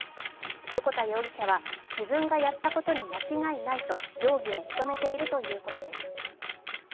横田容疑者は、自分がやったことに間違いないと容疑を認めているということです。